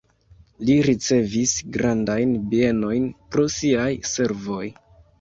Li ricevis grandajn bienojn pro siaj servoj.